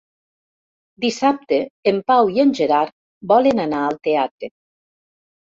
Dissabte en Pau i en Gerard volen anar al teatre.